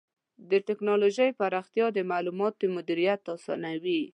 د ټکنالوجۍ پراختیا د معلوماتو مدیریت آسانوي.